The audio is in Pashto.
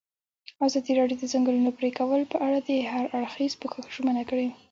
ازادي راډیو د د ځنګلونو پرېکول په اړه د هر اړخیز پوښښ ژمنه کړې.